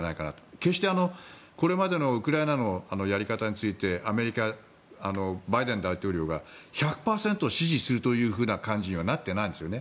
決して、これまでのウクライナのやり方についてアメリカ、バイデン大統領が１００％支持するという感じにはなっていないんですよね。